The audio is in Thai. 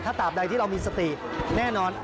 ถ้าตามใดที่เรามีสติแน่นอน